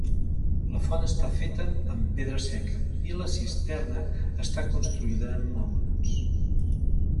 La font està feta amb pedra seca, i la cisterna està construïda amb maons.